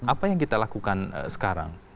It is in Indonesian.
apa yang kita lakukan sekarang